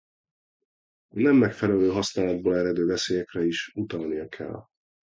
A nem megfelelő használatból eredő veszélyekre is utalnia kell.